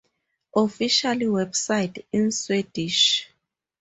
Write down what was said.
Official website (in Swedish)